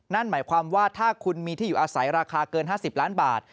นั่นหมายความว่าถ้าคุณมีที่อยู่อาศัยราคาเกิน๕๐ล้านบาท